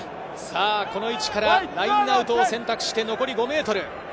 この位置からラインアウトを選択して残り５ｍ。